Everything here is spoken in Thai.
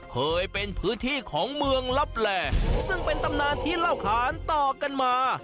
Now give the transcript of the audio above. เคยเป็นพื้นที่ของเมืองลับแหล่ซึ่งเป็นตำนานที่เล่าขานต่อกันมา